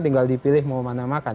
tinggal dipilih mau mana makan